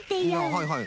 はいはい。